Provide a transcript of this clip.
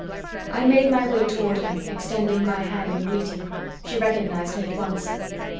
I made my way toward her, extending my hand in greeting. She recognized me at once.